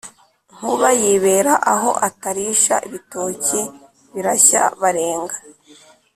Nkuba yibera aho Atarisha ibitoki birashya, barenga